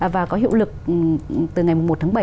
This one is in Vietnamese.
và có hiệu lực từ ngày một bảy hai nghìn một mươi tám